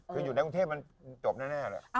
คืออยู่ในกรุงเทพมันจบแน่เลย